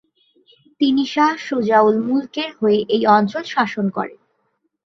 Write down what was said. তিনি শাহ সুজা-উল-মুলকের হয়ে এই অঞ্চল শাসন করেন।